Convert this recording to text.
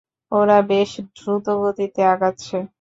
ওরা বেশ দ্রুত গতিতে আগাচ্ছে।